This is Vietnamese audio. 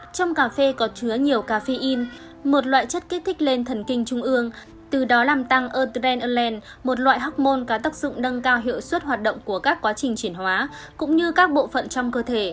trong cà phê có chứa nhiều caffeine một loại chất kích thích lên thần kinh trung ương từ đó làm tăng adrenaline một loại hormôn có tác dụng nâng cao hiệu suất hoạt động của các quá trình triển hóa cũng như các bộ phận trong cơ thể